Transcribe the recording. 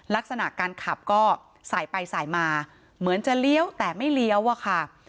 ลักษณะการขับก็สายไปสายมาเหมือนจะเลี้ยวแต่ไม่เลี้ยวอะค่ะ